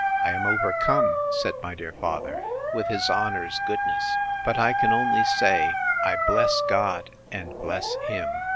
—I am overcome, said my dear father, with his honour's goodness: But I can only say, I bless God, and bless him.